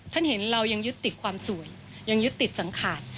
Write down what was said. เห็นเรายังยึดติดความสวยยังยึดติดสังขาด